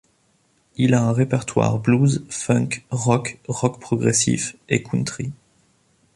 Il a un répertoire blues, funk, rock, rock progressif et country.